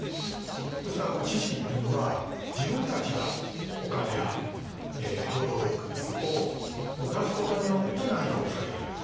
ですがこの智識っていうのは自分たちがお金や労働力を出すことによって何かをつくり上げる。